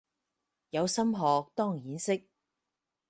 有心學當然識